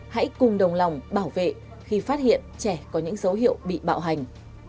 hãy cùng đồng lòng bảo vệ khi phát hiện trẻ có những dấu hiệu bị bạo hành